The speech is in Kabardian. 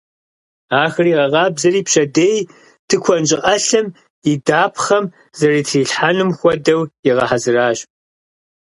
Ахэр игъэкъабзэри, пщэдей тыкуэн щӀыӀалъэм и дапхъэм зэрытралъхьэнум хуэдэу игъэхьэзыращ.